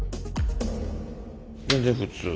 全然普通。